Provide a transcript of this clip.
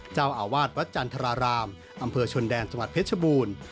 เจ้าอาวาสวัดวัดจันทรรารามอำเภอชนแดนสมัครเพชรบูรณ์